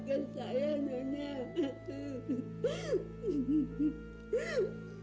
kita akan terus bekerja keras